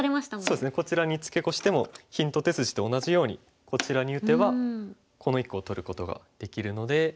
こちらにツケコしてもヒント手筋と同じようにこちらに打てばこの１個を取ることができるので。